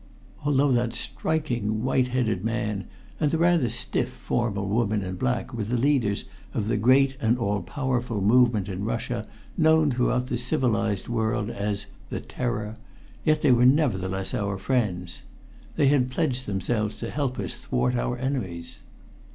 Although that striking, white headed man and the rather stiff, formal woman in black were the leaders of the great and all powerful movement in Russia known through the civilized world as "The Terror," yet they were nevertheless our friends. They had pledged themselves to help us thwart our enemies.